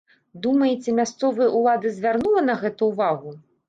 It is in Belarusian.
Думаеце, мясцовая ўлада звярнула на гэта ўвагу?